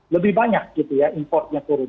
lebih banyak gitu ya importnya turun